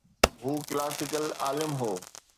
هو ڪلاسيڪل عالم هو.